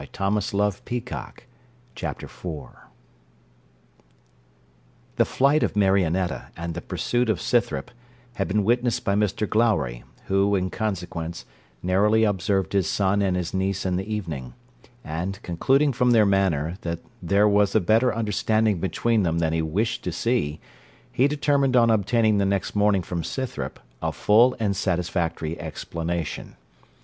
CHAPTER IV The flight of Marionetta, and the pursuit of Scythrop, had been witnessed by Mr Glowry, who, in consequence, narrowly observed his son and his niece in the evening; and, concluding from their manner, that there was a better understanding between them than he wished to see, he determined on obtaining the next morning from Scythrop a full and satisfactory explanation.